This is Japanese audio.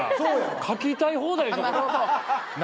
書きたい放題中。